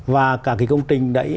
và cả cái công trình đấy